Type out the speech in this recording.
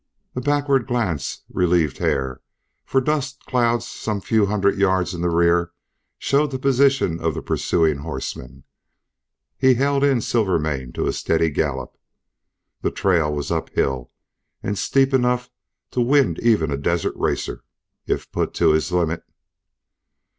A backward glance relieved Hare, for dust clouds some few hundred yards in the rear showed the position of the pursuing horsemen. He held in Silvermane to a steady gallop. The trail was up hill, and steep enough to wind even a desert racer, if put to his limit.